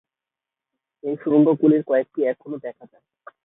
এই সুড়ঙ্গগুলির কয়েকটি এখনও দেখা যায়।